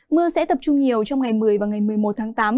mưa sẽ tập trung nhiều trong ngày một mươi và ngày một mươi một tháng tám